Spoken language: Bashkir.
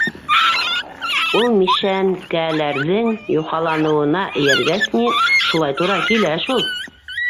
Ул мишшәнкәләрҙең юхаланыуына эйәргәс ни, шулай тура килә шул!